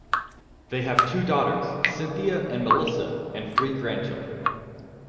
They have two daughters, Cynthia and Melissa, and three grandchildren.